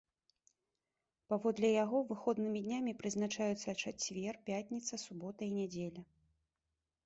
Паводле яго выходнымі днямі прызначаюцца чацвер, пятніца, субота і нядзеля.